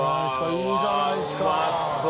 いいじゃないですか。